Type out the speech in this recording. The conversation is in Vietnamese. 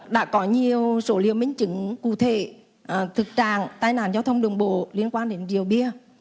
đã có nhiều số liều minh chứng cụ thể thực trạng tai nạn giao thông đường bộ liên quan đến rượu bia